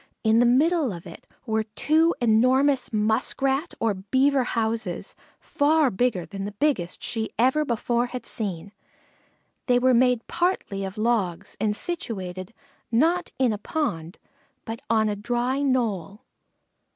In the middle of it were two enormous muskrat or beaver houses, far bigger than the biggest she ever before had seen. They were made partly of logs and situated, not in a pond, but on a dry knoll.